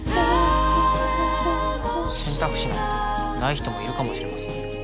選択肢なんてない人もいるかもしれませんよ。